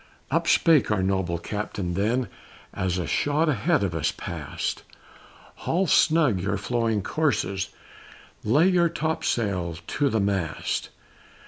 Up spake our noble Captain then, as a shot ahead of us past "Haul snug your flowing courses! lay your top sail to the mast!"